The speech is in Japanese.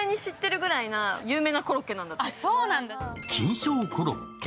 金賞コロッケ。